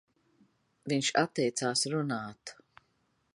Viņš atteicās runāt.